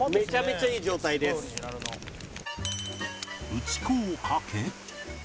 打ち粉をかけ